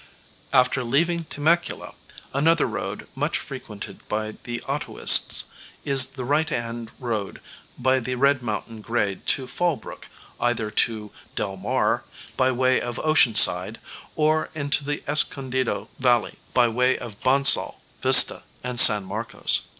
After leaving Temecula, another road much frequented by the autoists is the right hand road by the Red Mountain grade to Fallbrook, either to Del Mar, by way of Oceanside, or into the Escondido Valley by way of Bonsal, Vista and San Marcos.